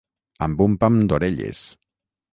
Amb un pam d'orelles.